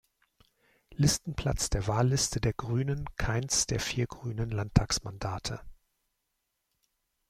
Listenplatz der Wahlliste der Grünen keines der vier Grünen Landtagsmandate.